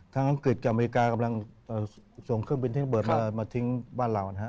อังกฤษกับอเมริกากำลังส่งเครื่องบินเทคเบิร์ดมาทิ้งบ้านเรานะฮะ